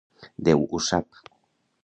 Déu ho sap!